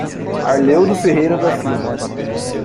Arleudo Ferreira da Silva